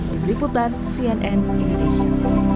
diberiputan cnn indonesia